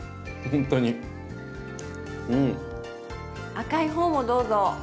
赤い方もどうぞ！